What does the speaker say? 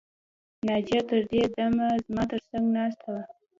ناجیه تر دې دمه زما تر څنګ ناسته ده